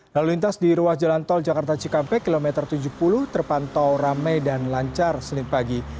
lalu lintas di ruas jalan tol jakarta cikampek kilometer tujuh puluh terpantau ramai dan lancar senin pagi